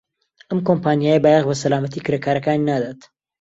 ئەم کۆمپانیایە بایەخ بە سەلامەتیی کرێکارەکانی نادات.